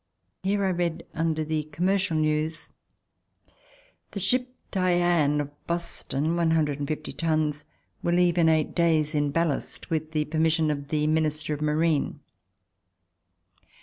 Here I read under the commercial news: ''The ship 'Diane' of Boston, 150 tons, will leave In eight days in ballast with the permission of the Minister of Marine."